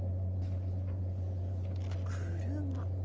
車。